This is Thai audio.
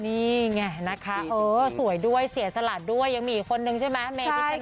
นี่ไงนะคะเออสวยด้วยเสียสละด้วยยังมีอีกคนนึงใช่ไหมเมพิช